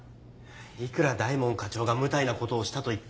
いくら大門課長が無体な事をしたといっても。